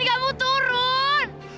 juan kamu turun